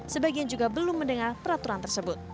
sebagian juga belum mendengar peraturan tersebut